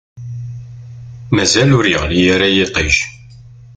Mazal ur yeɣli ara yiṭij.